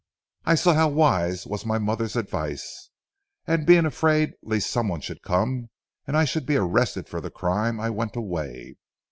I saw how wise was my mother's advice, and being afraid lest someone should come and I should be arrested for the crime I went away.